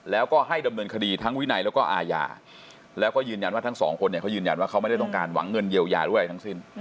แล้วก็ให้ดำเนินคดีทั้งวินัยแล้วก็อาญาแล้วก็ยืนยันว่าทั้งสองคนเนี่ยเขายืนยันว่าเขาไม่ได้ต้องการหวังเงินเยียวยาด้วยอะไรทั้งสิ้น